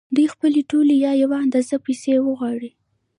دوی خپلې ټولې یا یوه اندازه پیسې وغواړي